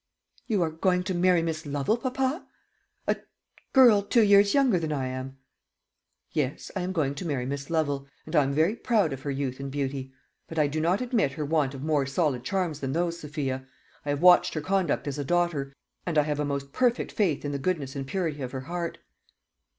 "You are going to marry Miss Lovel, papa a girl two years younger than I am?" "Yes, I am going to marry Miss Lovel, and I am very proud of her youth and beauty; but I do not admit her want of more solid charms than those, Sophia. I have watched her conduct as a daughter, and I have a most perfect faith in the goodness and purity of her heart."